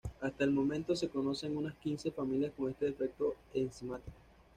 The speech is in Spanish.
Hasta el momento se conocen unas quince familias con este defecto enzimático.